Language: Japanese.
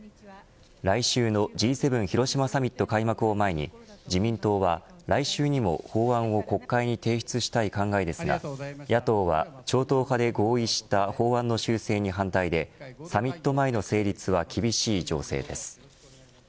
来週のＧ７広島サミット開幕を前に自民党は来週にも、法案を国会に提出したい考えですが野党は超党派で合意した法案の修正に反対でサミット前の成立は厳しい情勢です。